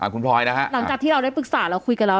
คุณพลอยนะฮะหลังจากที่เราได้ปรึกษาเราคุยกันแล้ว